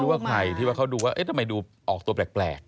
ว่าใครที่ว่าเขาดูว่าทำไมดูออกตัวแปลก